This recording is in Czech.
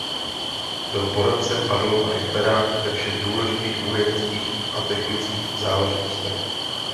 Byl poradcem Adolfa Hitlera ve všech důležitých vojenských a technických záležitostech.